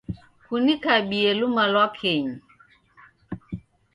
Kunikabie lumalwakenyi.